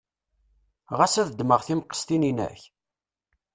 Ɣas ad ddmeɣ timqestin-inek?